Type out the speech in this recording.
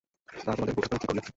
তা তোমাদের বউ-ঠাকরুন কী করিলেন?